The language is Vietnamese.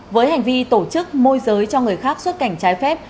với hành vi tổ chức môi giới cho người khác xuất cảnh trái phép